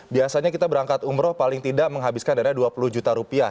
biasanya kita berangkat umroh paling tidak menghabiskan dana dua puluh juta rupiah